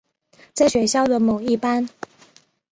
在学校的某一班。